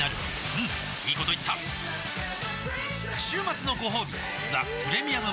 うんいいこと言った週末のごほうび「ザ・プレミアム・モルツ」